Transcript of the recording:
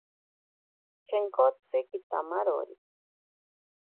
Chenkotsi kitamarori.